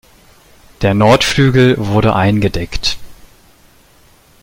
Der Nordflügel wurde eingedeckt.